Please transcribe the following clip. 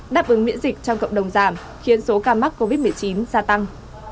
đáp ứng miễn dịch trong cộng đồng giảm khiến số ca mắc covid một mươi chín gia tăng